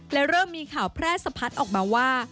และเริ่มมีข่าวแพร่สะพัดออกมาว่า